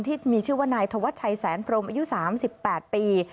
ที่มีชื่อว่านายธวัชชัยแสนพรมอายุ๓๘ปี